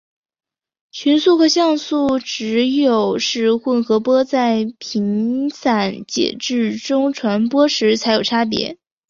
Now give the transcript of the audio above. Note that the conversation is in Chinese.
群速和相速只有是混合波在频散介质中传播时才有差别。